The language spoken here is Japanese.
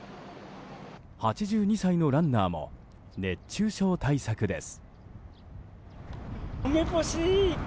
８２歳のランナーも熱中症対策です。